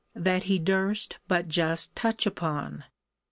] that he durst but just touch upon.